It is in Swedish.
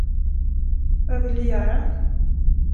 Vad vill du göra?